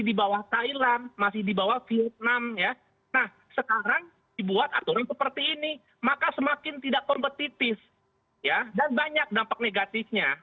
dibuat aturan seperti ini maka semakin tidak korbettitis ya dan banyak dampak negatifnya